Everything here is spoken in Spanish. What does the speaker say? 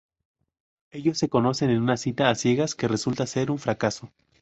Ellos se conocen en una cita a ciegas que resulta ser un fracaso.